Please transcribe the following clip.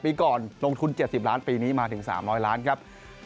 ปีก่อนลงทุน๗๐ล้านปีนี้มาถึง๓๐๐ล้านครับ